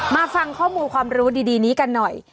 มาฟังข้อมูลความรู้ดีนี้กันหน่อย